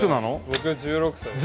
僕１６歳です。